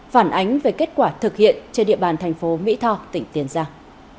phản ánh về kết quả thực hiện trên địa bàn thành phố mỹ tho tỉnh tiền giang